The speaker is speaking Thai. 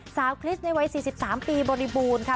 คริสต์ในวัย๔๓ปีบริบูรณ์ค่ะ